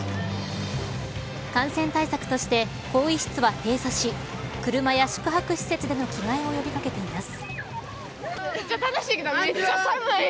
感染対策として更衣室は閉鎖し車や宿泊施設での着替えを呼び掛けています。